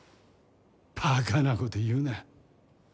バカなこと言うな。